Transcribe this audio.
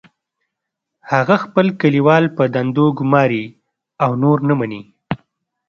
هغه خپل کلیوال په دندو ګماري او نور نه مني